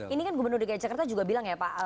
ini kan gubernur dki jakarta juga bilang ya pak